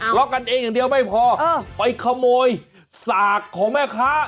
เพราะกันเองอย่างเดียวไม่พอไปขโมยสากของแม่ค้า